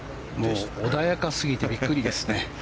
穏やかすぎてびっくりですね。